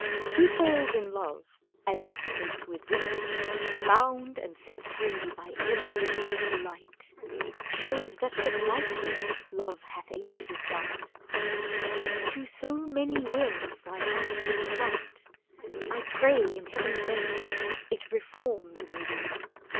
Who falls in love, as is the case with thee. Bound and set free by every new delight, " Shows that but lightly Love hath aimed his dart. If to so many wills thy heart gives plight, I pray in Heaven's name, it reformed may be.